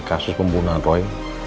kasus pembunuhan roy